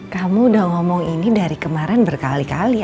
kamu udah ngomong ini dari kemarin berkali kali